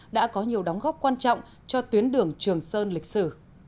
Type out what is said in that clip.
đây là một trong những đoạn góp quan trọng cho tuyến đường trường sơn lịch sử